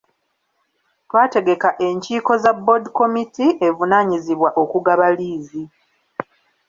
Twategeka enkiiko za ‘Board committee’ evunaanyizibwa okugaba liizi.